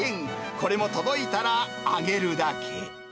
これも届いたら揚げるだけ。